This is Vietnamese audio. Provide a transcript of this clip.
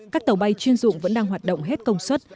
các tàu bay chuyên dụng vẫn đang hoạt động hết công suất